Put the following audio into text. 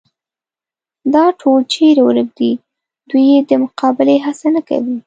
دا ټول چېرې ورک دي، دوی یې د مقابلې هڅه نه کوي.